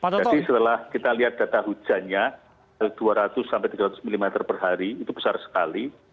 jadi setelah kita lihat data hujannya dua ratus sampai tiga ratus mm per hari itu besar sekali